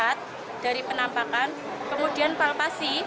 atau melihat dari penampakan kemudian palmasi